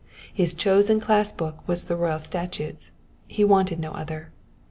His chosen class book was the royal statutes, he wanted no oiher.